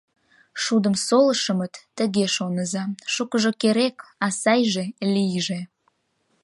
Шудым солышымыт, тыге шоныза: шукыжо керек, а сайже лийже.